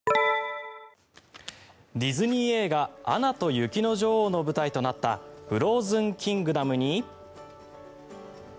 ディズニー映画「アナと雪の女王」の舞台となったフローズンキングダムに。